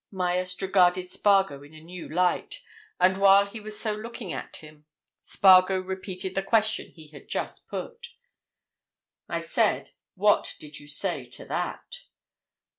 Myerst regarded Spargo in a new light. And while he was so looking at him. Spargo repeated the question he had just put. "I said—What did you say to that?"